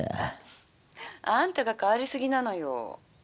「あんたが変わりすぎなのよ」。